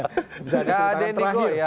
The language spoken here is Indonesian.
bisa dipercayakan terakhir